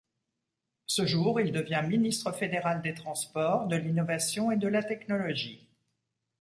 Ce jour, il devient ministre fédéral des Transports, de l'Innovation et de la Technologie.